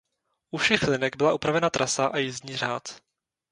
U všech linek byla upravena trasa a jízdní řád.